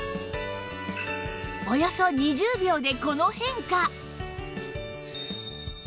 およそ２０秒でこの変化！